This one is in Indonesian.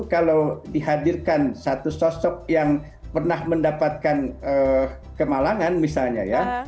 kalau dihadirkan satu sosok yang pernah mendapatkan kemalangan misalnya ya